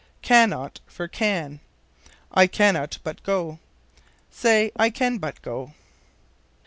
Cannot for Can. "I cannot but go." Say, I can but go.